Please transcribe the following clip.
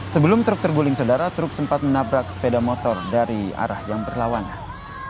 sebelum truk terguling saudara truk sempat menabrak sepeda motor dari arah yang berlawanan